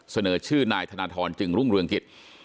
เสนอชื่อนายธนทรจึงรุ่งเรืองกิจ